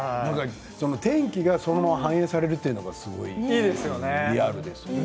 天気がそのまま反映されるというのがすごいリアルですよね。